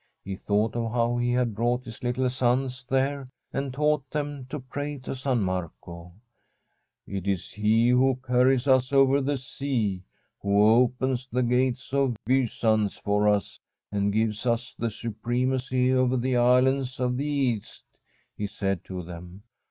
He thought of how he had brought his little sons there, and taught them to pray to San Marco. * It is he who carries us over the sea, who opens the gates of Byzance for us and The Fisherman*! RING gives Its the supremacy over the islands of the East,' he said to them.